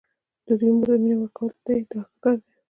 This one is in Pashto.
د دوی مور ته دې مینه ورکول دي دا ښه کار دی.